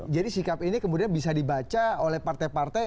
jadi sikap ini kemudian bisa dibaca oleh partai partai